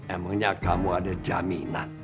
emangnya kamu ada jaminan